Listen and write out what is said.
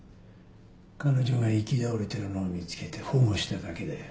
彼女が行き倒れてるのを見つけて保護しただけだよ。